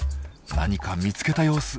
何か見つけた様子。